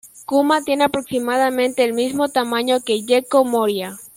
Kuma tiene aproximadamente el mismo tamaño que Gecko Moria.